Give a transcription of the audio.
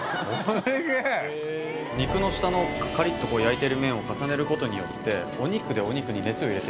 肉の下のカリっと焼いてる面を重ねることによってお肉でお肉に熱を入れてるんですよ。